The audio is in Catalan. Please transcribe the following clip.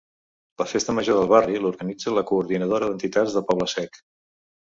La festa major del barri l’organitza la Coordinadora d’Entitats del Poble-sec.